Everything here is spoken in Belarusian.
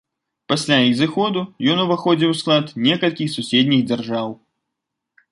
Пасля іх зыходу ён уваходзіў у склад некалькіх суседніх дзяржаў.